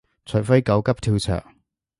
除非狗急跳墻